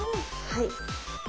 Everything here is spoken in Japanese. はい。